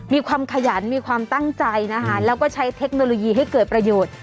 มีความขยันมีความตั้งใจนะคะแล้วก็ใช้เทคโนโลยีให้เกิดประโยชน์